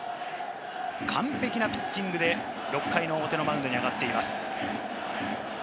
完璧なピッチングで６回表のマウンドに上がっています。